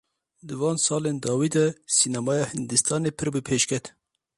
Di van salên dawî de sînemaya Hindistanê pir bi pêş ket.